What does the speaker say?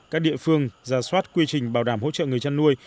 các địa phương ra soát quy trình bảo đảm hỗ trợ người chăn nuôi